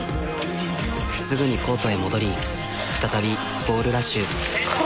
すぐにコートへ戻り再びボールラッシュ。